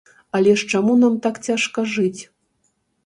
Але ж чаму нам так цяжка жыць?